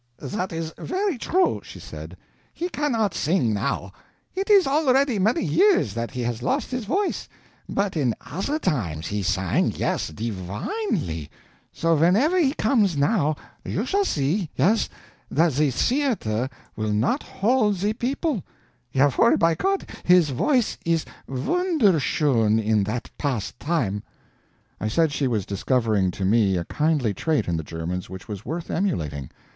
"That is very true," she said; "he cannot sing now; it is already many years that he has lost his voice, but in other times he sang, yes, divinely! So whenever he comes now, you shall see, yes, that the theater will not hold the people. JAWOHL BEI GOTT! his voice is WUNDERSCHOEN in that past time." I said she was discovering to me a kindly trait in the Germans which was worth emulating.